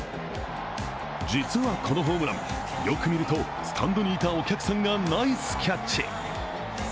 実はこのホームラン、よく見るとスタンドにいたお客さんがナイスキャッチ。